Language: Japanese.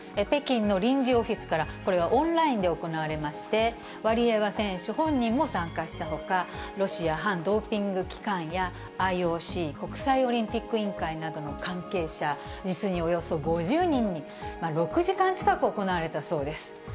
北京の臨時オフィスから、これはオンラインで行われまして、ワリエワ選手本人も参加したほか、ロシア反ドーピング機関やＩＯＣ・国際オリンピック委員会などの関係者、実におよそ５０人に、６時間近く行われたそうです。